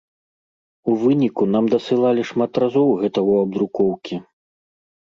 У выніку нам дасылалі шмат разоў гэта ў абдрукоўкі.